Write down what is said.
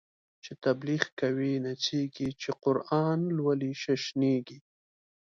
چی تبلیغ کوی نڅیږی، چی قران لولی ششنیږی